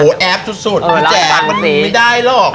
โอ้แอปสุดแจกรักมันไม่ได้หรอก